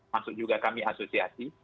masuk juga kami asosiasi